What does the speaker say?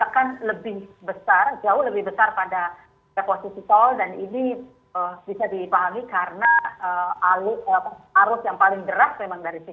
kemudian diatur jadwal one way